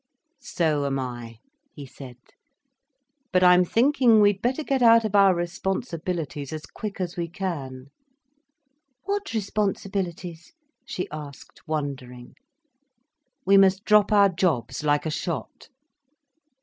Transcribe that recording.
"So am I," he said. "But I'm thinking we'd better get out of our responsibilities as quick as we can." "What responsibilities?" she asked, wondering. "We must drop our jobs, like a shot."